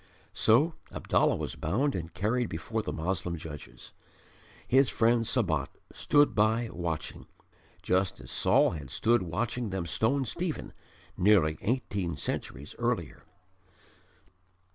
So Abdallah was bound and carried before the Moslem judges. His friend Sabat stood by watching, just as Saul had stood watching them stone Stephen nearly eighteen centuries earlier.